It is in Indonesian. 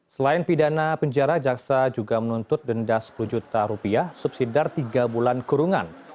selain pidana penjara jaksa juga menuntut denda sepuluh juta rupiah subsidar tiga bulan kurungan